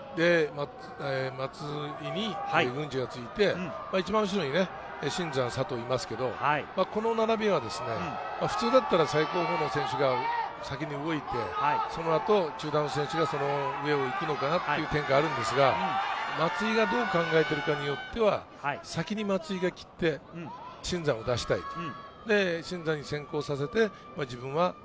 松井に郡司がついて、一番後ろに新山、佐藤がいますけれども、この並びは普通だったら最後方の選手が先に動いて、その後、中間の選手がその上を行くのかなという展開があるんですが、松井がどう考えているかによって、先に松井が来て、新山を出したい、新山に先行させて、自分は。